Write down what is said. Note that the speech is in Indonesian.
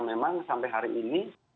memang sampai hari ini